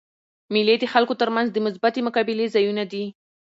مېلې د خلکو تر منځ د مثبتي مقابلې ځایونه دي.